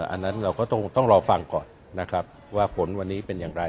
อันนั้นเราก็ต้องรอฟังก่อนนะครับว่าผลวันนี้เป็นอย่างไร